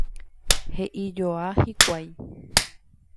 he'ijoa hikuái